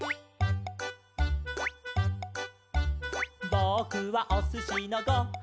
「ぼくはおすしのご・は・ん」